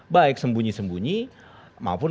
baik sembunyi sembunyi maupun